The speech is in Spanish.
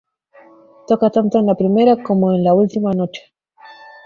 Toca tanto en la primera como en la última noche.